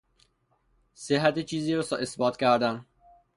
صحت چیزی را اثبات کردن